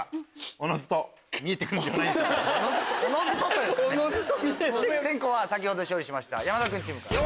おのずと見えてくる⁉先攻は先ほど勝利しました山田君チームから。